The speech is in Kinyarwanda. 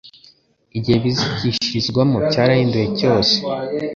igihe bizigishirizwamo cyarahinduwe cyose